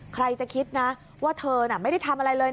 ใครจะคิดนะว่าเธอน่ะไม่ได้ทำอะไรเลย